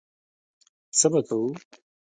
څه به کوو.